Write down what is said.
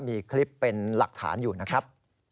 มีคลิปเป็นหลักฐานอยู่นะครับ